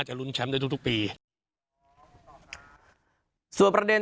สมุทรสอนยังแข็งแรง